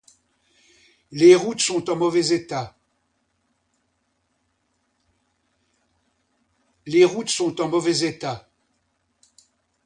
Les routes sont en mauvais états.